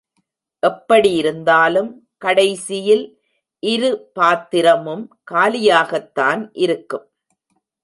எப்படி இருந்தாலும் கடைசியில் இரு பாத்திரமும் காலியாகத்தான் இருக்கும்.